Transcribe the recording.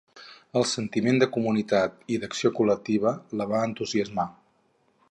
El sentiment de comunitat i d'acció col·lectiva la va entusiasmar.